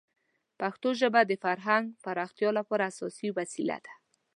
پښتو ژبه د فرهنګ پراختیا لپاره اساسي وسیله ده.